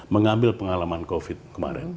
mengambil pengalaman covid kemarin